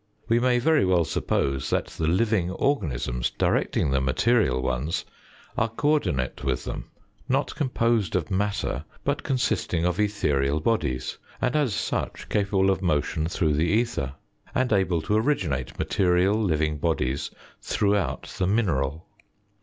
We may very well suppose that the living organisms directing the material ones are co ordinate with them, not composed of matter, but consisting of etherial bodies, and as such capable of motion through the ether, and able to originate material living bodies throughout the mineral.